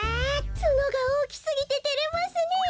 ツノがおおきすぎててれますねえ。